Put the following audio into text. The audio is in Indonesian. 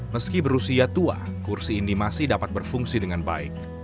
meski berusia tua kursi ini masih dapat berfungsi dengan baik